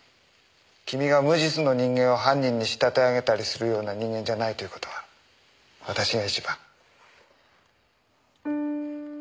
君が無実の人間を犯人に仕立て上げたりするような人間じゃないという事は私が一番。